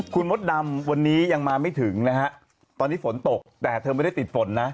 คุณมดดำวันนี้ยังมาไม่ถึงนะฮะตอนนี้ฝนตกแต่เธอไม่ได้ติดฝนนะ